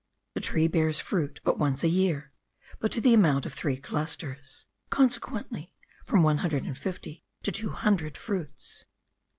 The tree bears fruit but once a year, but to the amount of three clusters, consequently from one hundred and fifty to two hundred fruits.